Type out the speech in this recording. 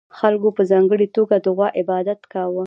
خلکو په ځانګړې توګه د غوا عبادت کاوه